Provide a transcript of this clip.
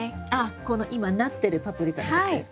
この今なってるパプリカのことですか？